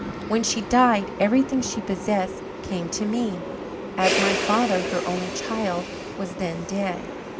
When she died everything she possessed came to me, as my father, her only child, was then dead.